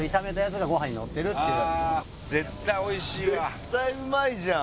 絶対うまいじゃん！